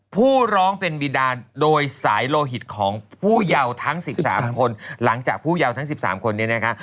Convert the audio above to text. ผู้ร้องเป็นบิดาโดยสายโลหิตของผู้เยาว์ทั้ง๑๓คนหลังจากผู้เยาว์ทั้ง๑๓คนนี้นะคะ